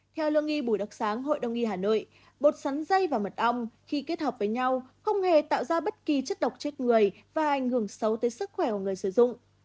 theo lương nghi bùi đặc sáng hội đông y hà nội bột sắn dây và mật ong khi kết hợp với nhau không hề tạo ra bất kỳ chất độc chết người và ảnh hưởng xấu tới sức khỏe của người sử dụng